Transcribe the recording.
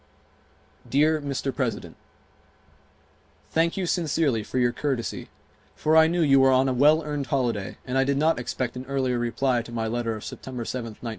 Dear Mr. President: Thank you sincerely for your courtesy, for I knew you were on a well earned holiday and I did not expect an earlier reply to my letter of September 7th, 1917.